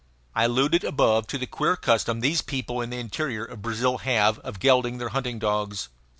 I alluded above to the queer custom these people in the interior of Brazil have of gelding their hunting dogs.